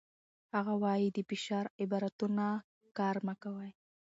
هغه وايي، د فشار عبارتونه کار مه کوئ.